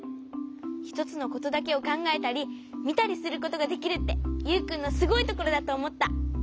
ひとつのことだけをかんがえたりみたりすることができるってユウくんのすごいところだとおもった。